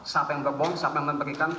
siapa yang gerbong siapa yang memberikan